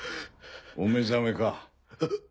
お目覚めか？